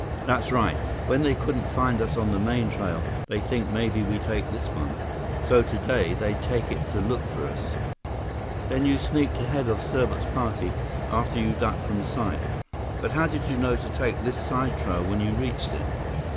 "That's right. When they couldn't find us on the main trail, they think maybe we take this one. So today, they take it to look for us." "Then you sneaked ahead of Serbot's party after you ducked from sight. But how did you know to take this side trail when you reached it?"